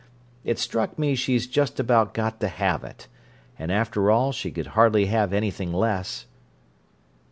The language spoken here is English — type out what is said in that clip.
It struck me she's just about got to have it, and after all she could hardly have anything less."